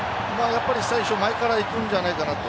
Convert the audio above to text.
やっぱり最初前からいくんじゃないかなと。